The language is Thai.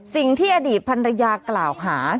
สิ่งที่อดีตพันรยากล่าวหา